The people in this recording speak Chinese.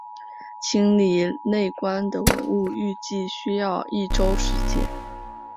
清理内棺的文物预计需要一周时间。